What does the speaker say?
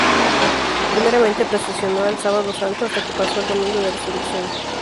Primeramente procesionó el Sábado Santo hasta que pasó al Domingo de Resurrección.